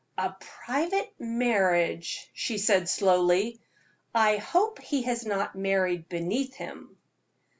"A private marriage!" she said, slowly. "I hope he has not married beneath him."